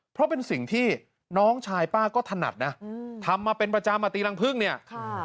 เพราะเป็นสิ่งที่น้องชายป้าก็ถนัดนะทำมาเป็นประจำมาตีรังพึ่งเนี่ยค่ะ